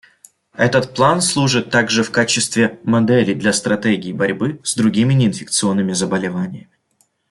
Этот план служит также в качестве модели для стратегий борьбы с другими неинфекционными заболеваниями.